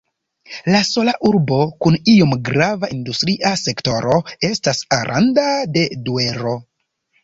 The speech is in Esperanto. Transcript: La sola urbo kun iom grava industria sektoro estas Aranda de Duero.